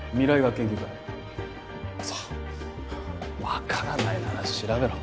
分からないなら調べろ。